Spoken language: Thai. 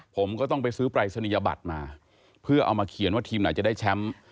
ผมก็ต้องไปซื้อปรายศนียบัตรมาเพื่อเอามาเขียนว่าทีมไหนจะได้แชมป์